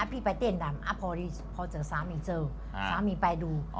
ไปเต้นดำพอเจอสามีเจอสามีไปดู